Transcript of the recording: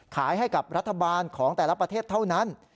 ขายให้กับรัฐบาลของแต่ละประเทศเท่านั้น